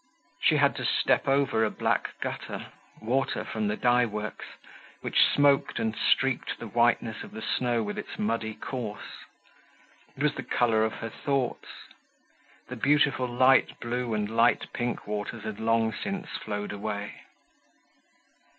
She had to step over a black gutter—water from the dye works—which smoked and streaked the whiteness of the snow with its muddy course. It was the color of her thoughts. The beautiful light blue and light pink waters had long since flowed away.